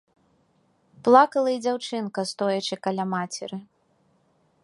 Плакала і дзяўчынка, стоячы каля мацеры.